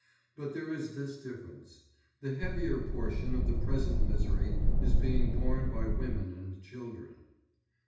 But there is this difference: the heavier portion of the present misery is being borne by women and children.